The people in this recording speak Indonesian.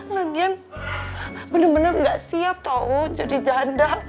lagian bener bener gak siap tau jadi janda